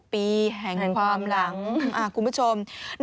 ๑๖ปีแห่งความหลังคุณผู้ชมโอ้โฮ๑๖ปีแห่งความหลัง